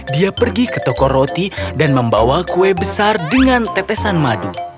dia pergi ke toko roti dan membawa kue besar dengan tetesan madu